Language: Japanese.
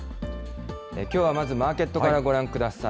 きょうはまずマーケットからご覧ください。